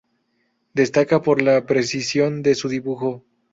Destaca por la precisión de su dibujo.